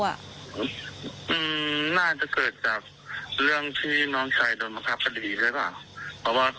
น่าจะเกิดจากเรื่องที่น้องชายโดนมกราฟคดีเลยว่ะเพราะว่า